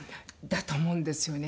だと思うんですよね。